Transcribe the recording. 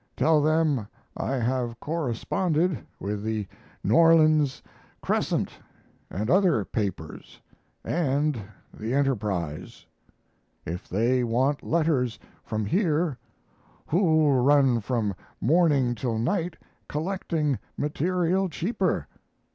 Tell them I have corresponded with the N. Orleans Crescent and other papers and the Enterprise. If they want letters from here who'll run from morning till night collecting material cheaper?